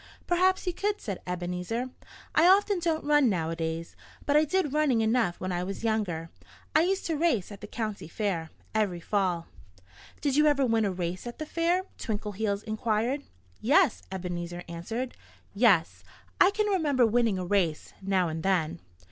"Perhaps you could," said Ebenezer. "I don't often run nowadays. But I did running enough when I was younger. I used to race at the county fair, every fall." "Did you ever win a race at the fair?" Twinkleheels inquired. "Yes!" Ebenezer answered. "Yes! I can remember winning a race now and then."